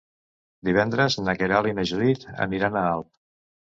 Divendres na Queralt i na Judit aniran a Alp.